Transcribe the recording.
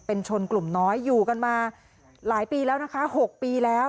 เป็นชนกลุ่มน้อยอยู่กันมาหลายปีแล้วนะคะ๖ปีแล้ว